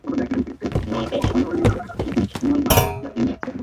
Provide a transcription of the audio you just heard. তিনি বেশ দুর্বল ছিলেন এবং নানা অসুখে ভুগতেন।